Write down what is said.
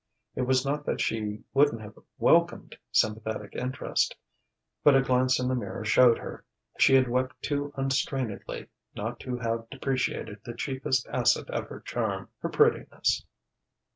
It was not that she wouldn't have welcomed sympathetic interest, but a glance in the mirror showed her she had wept too unrestrainedly not to have depreciated the chiefest asset of her charm her prettiness.